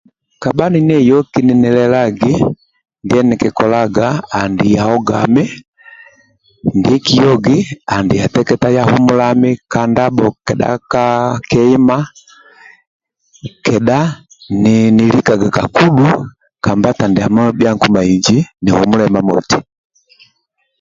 Kabha ninieyoki ninilelagi ndie nikikolaga andi teketa yaogami ndiekiogi andi ya teketa ya humulami ka ndabho kedha ka kehima kedha ni likaga ka kudhu ka mbata ndiamo bhia nkuma inji nihumula imamoti